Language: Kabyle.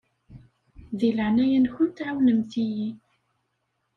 Di leɛnaya-nkent ɛawnemt-iyi.